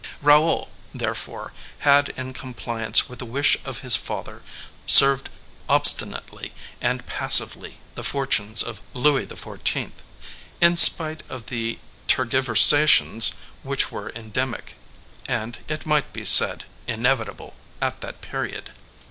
Raoul, therefore, had, in compliance with the wish of his father, served obstinately and passively the fortunes of Louis XIV., in spite of the tergiversations which were endemic, and, it might be said, inevitable, at that period.